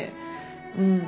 うん。